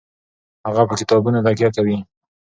هغه په کتابونو تکیه کوي.